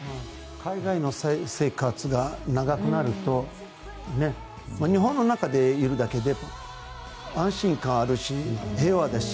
海外の生活が長くなると日本の中でいるだけで安心感があるし平和だし。